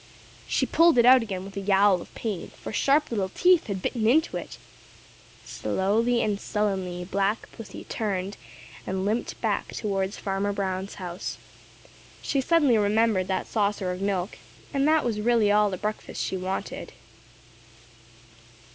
She pulled it out again with a yowl of pain, for sharp little teeth had bitten it. Slowly and sullenly Black Pussy turned and limped back towards Farmer Brown's house. She suddenly remembered that saucer of milk, and that that was really all the breakfast she wanted.